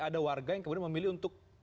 ada warga yang kemudian memilih untuk